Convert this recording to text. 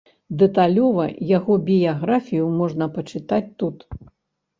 Дэталёва яго біяграфію можна пачытаць тут.